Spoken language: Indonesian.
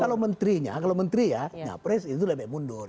kalau menterinya kalau menteri ya nyapres itu lebek mundur